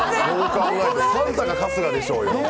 サンタが春日でしょうよ。